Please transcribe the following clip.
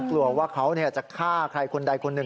กลัวว่าเขาจะฆ่าใครคนใดคนหนึ่ง